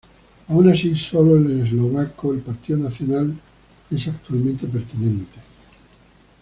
Aun así, sólo el eslovaco el partido Nacional es actualmente pertinente.